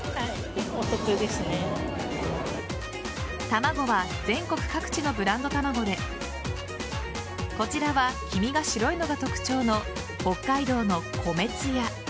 卵は全国各地のブランド卵でこちらは黄身が白いのが特徴の北海道の米艶。